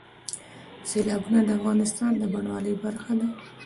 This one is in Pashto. سیلابونه د افغانستان د بڼوالۍ برخه ده.